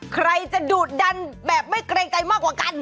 ใครจะดูดดันแบบไม่เกรงใจมากกว่ากัน